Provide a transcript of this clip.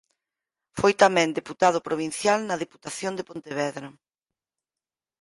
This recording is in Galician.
Foi tamén deputado provincial na Deputación de Pontevedra.